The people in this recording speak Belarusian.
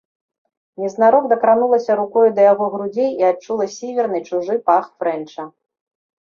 Незнарок дакранулася рукою да яго грудзей і адчула сіверны, чужы пах фрэнча.